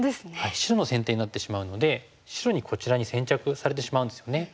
白の先手になってしまうので白にこちらに先着されてしまうんですよね。